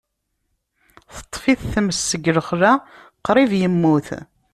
Teṭṭef-it tmes deg lexla, qrib yemmut.